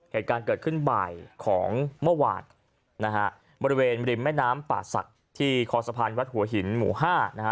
เหตุการณ์เกิดขึ้นบ่ายของเมื่อวานนะฮะบริเวณริมแม่น้ำป่าศักดิ์ที่คอสะพานวัดหัวหินหมู่ห้านะฮะ